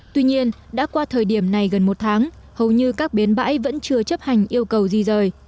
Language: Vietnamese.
tuy nhiên đã qua thời điểm này gần một tháng hầu như các bến bãi vẫn chưa chấp hành yêu cầu di rời